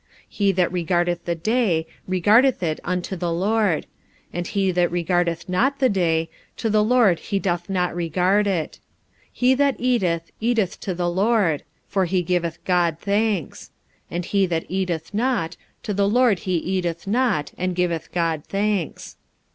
45:014:006 He that regardeth the day, regardeth it unto the Lord; and he that regardeth not the day, to the Lord he doth not regard it. He that eateth, eateth to the Lord, for he giveth God thanks; and he that eateth not, to the Lord he eateth not, and giveth God thanks.